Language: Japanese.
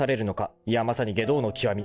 ［いやまさに外道の極み］